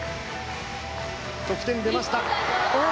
得点出ました。